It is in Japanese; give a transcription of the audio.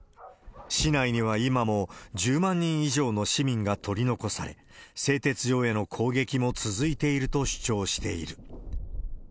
市内には今も１０万人以上の市民が取り残され、製鉄所への攻撃も続いていると主張している。